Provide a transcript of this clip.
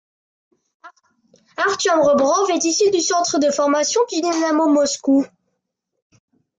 Artiom Rebrov est issu du centre de formation du Dynamo Moscou.